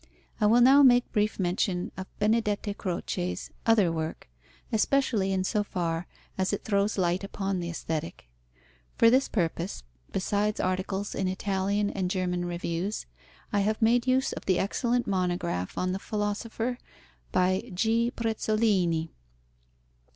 I will now make brief mention of Benedetto Croce's other work, especially in so far as it throws light upon the Aesthetic. For this purpose, besides articles in Italian and German reviews, I have made use of the excellent monograph on the philosopher, by G. Prezzolini.